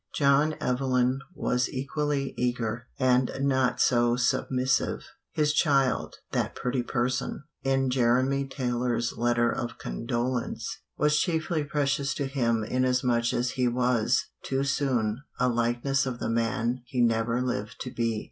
John Evelyn was equally eager, and not so submissive. His child "that pretty person" in Jeremy Taylor's letter of condolence was chiefly precious to him inasmuch as he was, too soon, a likeness of the man he never lived to be.